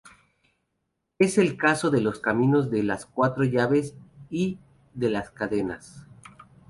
Es el caso de los caminos de las Cuatro Llaves y de las Cadenas.